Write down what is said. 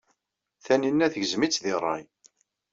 Taninna tegzem-itt deg ṛṛay.